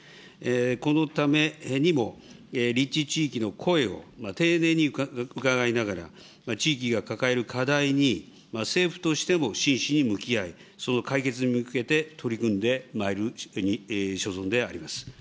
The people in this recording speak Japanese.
このためにも立地地域の声を丁寧に伺いながら、地域が抱える課題に、政府としても真摯に向き合い、その解決に向けて取り組んでまいる所存であります。